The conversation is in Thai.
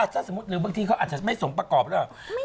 หรือบางทีเขาอาจจะไม่ส่งประกอบด้วย